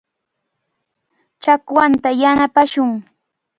Chakwanta yanapashun.